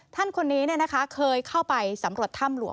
ท่านคนนี้เคยเข้าไปสำรวจถ้ำหลวง